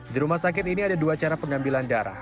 di rumah sakit ini ada dua cara pengambilan darah